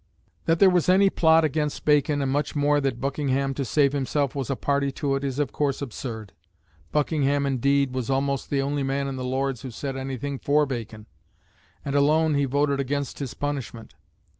That there was any plot against Bacon, and much more that Buckingham to save himself was a party to it, is of course absurd. Buckingham, indeed, was almost the only man in the Lords who said anything for Bacon, and, alone, he voted against his punishment.